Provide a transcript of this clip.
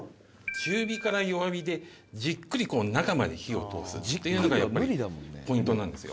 「中火から弱火でじっくりこう中まで火を通すっていうのがポイントなんですよ」